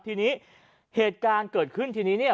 ทีนี้เหตุการณ์เกิดขึ้นทีนี้เนี่ย